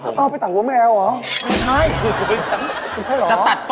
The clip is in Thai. เทลี่ยงข้าชุบ